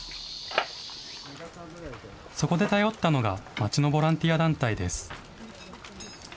そこで頼ったのが、町のボランティア団体です。